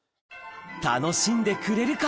楽しんでくれるか？